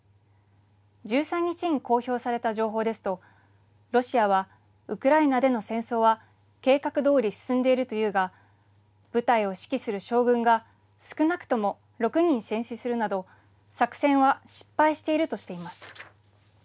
１３日に公表された情報ですと、ロシアはウクライナでの戦争は、計画どおり進んでいるというが、部隊を指揮する将軍が少なくとも６人戦死するなど、作戦は失敗しているとしています。